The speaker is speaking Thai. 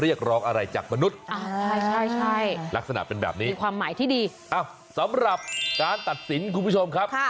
อะไรจากมนุษย์ลักษณะเป็นแบบนี้มีความหมายที่ดีสำหรับการตัดสินคุณผู้ชมครับ